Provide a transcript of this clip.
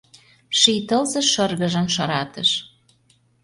Ший тылзе шыргыжын шыратыш.